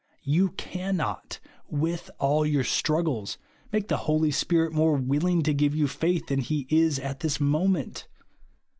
You cannot, with all your struggles, make the Holy Spirit more will ing to give you faith than he is at this moment.